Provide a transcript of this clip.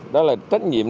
đó là trách nhiệm